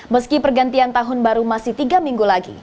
meski pergantian tahun baru masih tiga minggu lagi